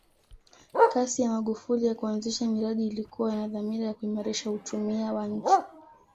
kasi ya magufuli ya kuanzisha miradi ilikuwa na dhamira ya kuimarisha uchumia wa nchi